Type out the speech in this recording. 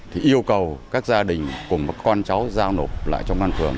thì yêu cầu các gia đình cùng với con cháu giao nổ